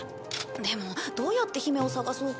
でもどうやって姫を捜そうか。